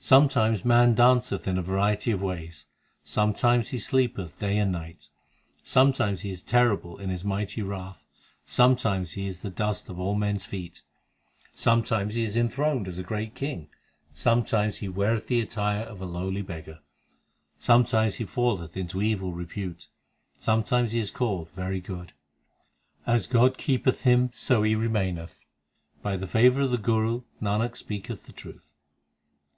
6 Sometimes man danceth in a variety of ways, Sometimes he sleepeth day and night, Sometimes he is terrible in his mighty wrath, Sometimes he is the dust of all men s feet, Sometimes he is enthroned as a great king, Sometimes he weareth the attire of a lowly beggar, Sometimes he falleth into evil repute, HYMNS OF GURU ARJAN 233 Sometimes he is called very good ; As God keepeth him so he remaineth By the favour of the Guru, Nanak speaketh the truth.